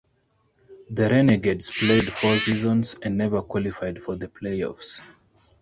The Renegades played four seasons and never qualified for the playoffs.